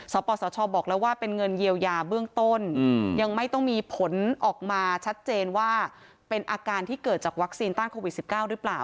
สปสชบอกแล้วว่าเป็นเงินเยียวยาเบื้องต้นยังไม่ต้องมีผลออกมาชัดเจนว่าเป็นอาการที่เกิดจากวัคซีนต้านโควิด๑๙หรือเปล่า